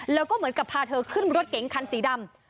แล้วก็เหมือนกับพาเธอขึ้นรถเก๋งคันสีดำ